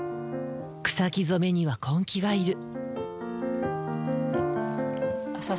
草木染めには根気がいる。